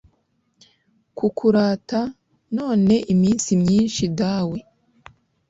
kukurata, none iminsi myinshi dawe